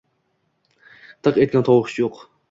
Tiq etgan tovush yoʻq